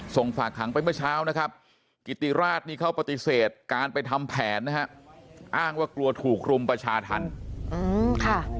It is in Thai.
ส่งฝากหางไปเมื่อเช้ากิติราชนี่เขาปฏิเสธการไปทำแผนอ้างว่ากลัวถูกรุมประชาธรรม